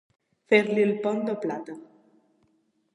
Fer-li el pont de plata.